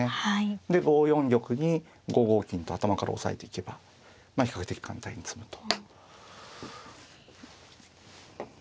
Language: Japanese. で５四玉に５五金と頭から押さえていけば比較的簡単に詰むと。